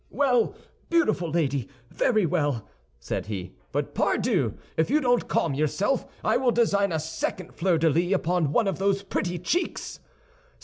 "Well, beautiful lady, very well," said he; "but, pardieu, if you don't calm yourself, I will design a second fleur de lis upon one of those pretty cheeks!"